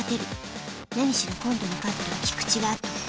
何しろ今度のカットは菊地が後。